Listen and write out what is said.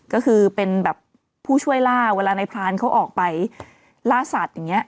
ก็คือเป็นแบบผู้ช่วยล่าเวลาในพรานเขาออกไปล่าสัตว์อย่างนี้